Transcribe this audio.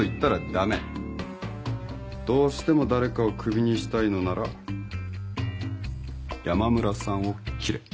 どうしても誰かを首にしたいのなら山村さんを切れ。